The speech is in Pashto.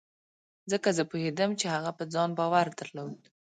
ځکه زه پوهېدم چې هغه په ځان باور درلود.